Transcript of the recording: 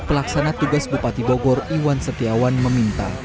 pelaksana tugas bupati bogor iwan setiawan meminta